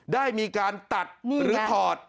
ได้มีการตัดหรือถอด